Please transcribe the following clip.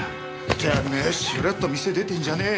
てめえしれっと店出てんじゃねえよ！